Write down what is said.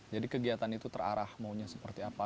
jadi kegiatan itu terarah maunya seperti apa